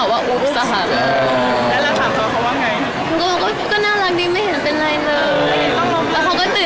แล้วเขาก็ตื่นเต้นแล้วก็ลบไปเลย